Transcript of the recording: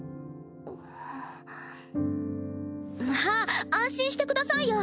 まあ安心してくださいよ。